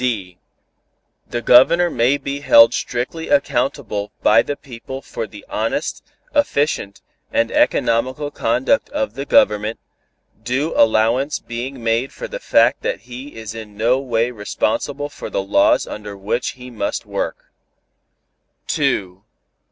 (d) The Governor may be held strictly accountable by the people for the honest, efficient and economical conduct of the government, due allowance being made for the fact that he is in no way responsible for the laws under which he must work.